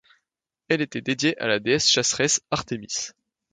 Elles étaient dédiées à la déesse chasseresse Artémis.